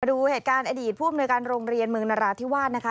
มาดูเหตุการณ์อดีตภูมิในการโรงเรียนเมืองนราธิวาส